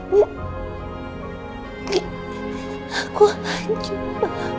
ya allah aku pencet